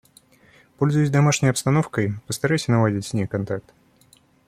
Пользуясь домашней обстановкой, постарайся наладить с ней контакт.